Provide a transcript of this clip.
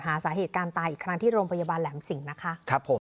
สาเหตุการณ์ตายอีกครั้งที่โรงพยาบาลแหลมสิงห์นะคะครับผม